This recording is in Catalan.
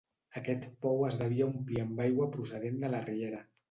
Aquest pou es devia omplir amb aigua procedent de la riera.